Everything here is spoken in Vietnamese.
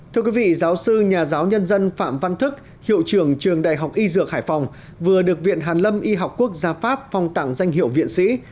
thưa quý vị giáo sư nhà giáo nhân dân phạm văn thức hiệu trưởng trường đại học y dược hải phòng vừa được viện hàn lâm y học quốc gia pháp phong tặng danh hiệu viện sĩ